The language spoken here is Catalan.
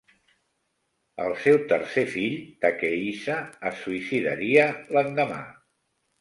El seu tercer fill Takehisa es suïcidaria l'endemà.